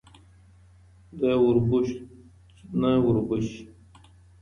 د وربشو نه وربشې.